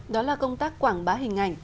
đó là công tác quảng bá hình ảnh